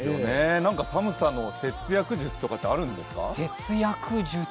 なんか、寒さの節約術とかってあるんですか？